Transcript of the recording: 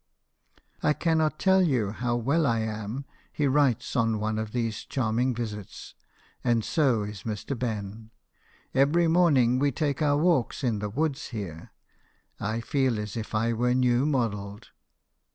" I cannot tell you how well I am," he writes on one of these charming visits, " and so is Mr. Ben. Every morning we take our walks in the woods here. I feel as if I were new modelled."